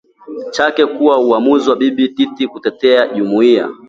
chake kuwa Uamuzi wa Bibi Titi kutetea jumuiya